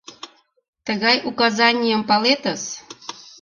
Тыгай указанийым палетыс!